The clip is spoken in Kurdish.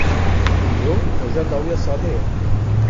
Îro roja dawî ya salê ye.